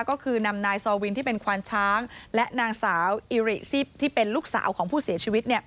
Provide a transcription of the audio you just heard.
ก็คือนำนายซอวินที่เป็นควานช้างและนางสาวอิริซิบที่เป็นลูกสาวของผู้เสียชีวิต